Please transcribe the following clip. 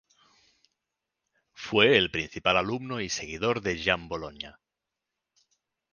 Fue el principal alumno y seguidor de Giambologna.